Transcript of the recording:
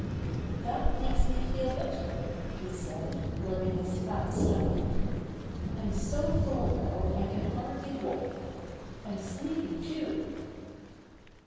"That makes me feel better," he said, rub bing his fat stomach. "I'm so full now I can hardly walk. I'm sleepy, too."